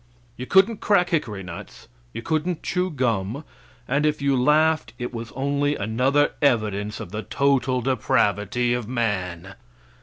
You couldn't crack hickory nuts; you couldn't chew gum; and if you laughed, it was only another evidence of the total depravity of man.